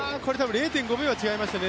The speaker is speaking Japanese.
０．５秒は違いましたよね